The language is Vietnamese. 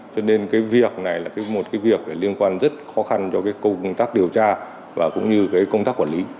cho nên cái việc này là một cái việc liên quan rất khó khăn cho cái công tác điều tra và cũng như cái công tác quản lý